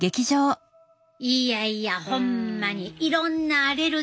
いやいやホンマにいろんなアレルギーがあんねんな。